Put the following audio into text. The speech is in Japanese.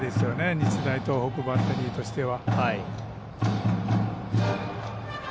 日大東北バッテリーとしては。